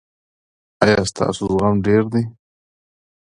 ایا ستاسو زغم ډیر دی؟